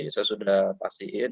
saya sudah pastiin